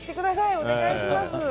お願いします。